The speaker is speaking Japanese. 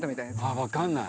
あっ分かんない。